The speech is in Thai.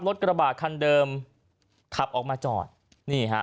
กระบาดคันเดิมขับออกมาจอดนี่ฮะ